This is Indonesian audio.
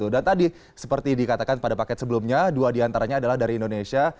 dan tadi seperti dikatakan pada paket sebelumnya dua di antaranya adalah dari indonesia